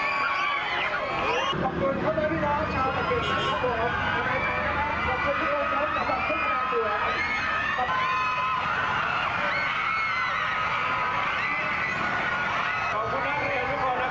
วันนี้ขอประกาศกับพ่อแม่พี่น้องชาวโน้นทบุรีว่าเราชนะแล้วค่ะพี่น้อง